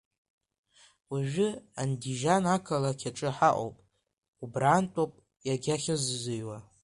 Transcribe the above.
Уажәы Андижан ақалақь аҿы ҳаҟоуп, убрантәоуп иагьахьызыҩуа…